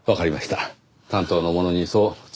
担当の者にそう伝えておきます。